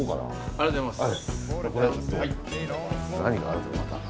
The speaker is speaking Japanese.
ありがとうございます。